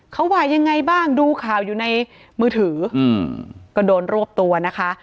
เขาว่ายังไงบ้างดูข่าวอยู่ในมือถือก็โดนรวบตัวนะคะ